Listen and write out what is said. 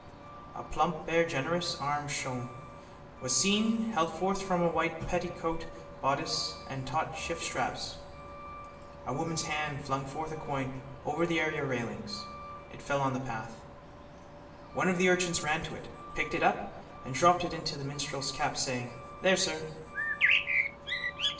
A plump bare generous arm shone, was seen, held forth from a white petticoatbodice and taut shiftstraps. A woman's hand flung forth a coin over the area railings. It fell on the path. One of the urchins ran to it, picked it up and dropped it into the minstrel's cap, saying: —There, sir.